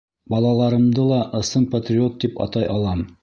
Балаларымды ла ысын патриот тип атай алам.